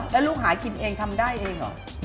แล้วลูกหากินเองทำได้เองเหรอ